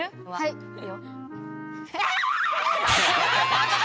いいよ。